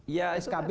iya itu tadi